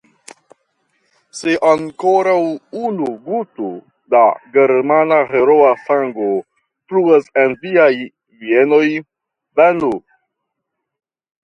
Se ankoraŭ unu guto da germana heroa sango fluas en viaj vejnoj, venu!